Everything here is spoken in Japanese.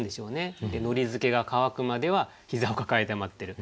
糊付けが乾くまでは膝を抱えて待ってる。